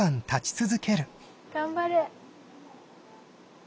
頑張れ。